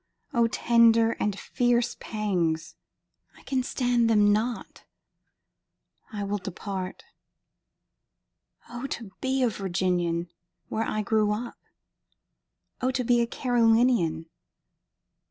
O tender and fierce pangs—I can stand them not—I will depart;O to be a Virginian, where I grew up! O to be a Carolinian!